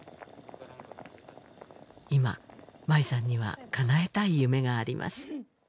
今舞さんにはかなえたい夢があります